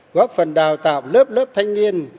góp phần đào tạo lớp lớp thanh niên